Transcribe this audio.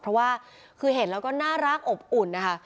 เพราะว่าคือเห็นแล้วก็น่ารักอบอุ่นนะคะ